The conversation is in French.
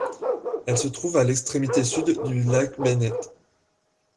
Elle se trouve à l'extrémité sud du Lake Bennett.